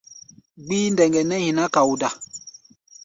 Gbíí ndɛŋgɛ nɛ́ nyiná kaoda.